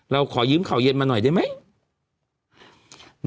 เราขอยืมข่าวเย็นมาหน่อยได้ไหม